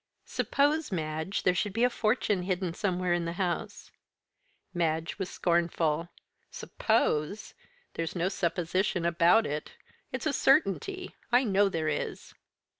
"Suppose, Madge, there should be a fortune hidden somewhere in the house?" Madge was scornful. "Suppose! there's no supposition about it. It's a certainty, I know there is."